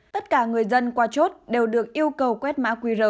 tất cả người dân qua chốt đều được yêu cầu quét mã qr